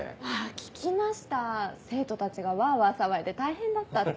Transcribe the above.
聞きました生徒たちがワワ騒いで大変だったって。